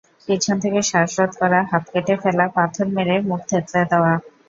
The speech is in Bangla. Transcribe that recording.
পিছন থেকে শ্বাসরোধ করা, হাত কেটে ফেলা, পাথর মেরে মুখ থেতলে দেওয়া।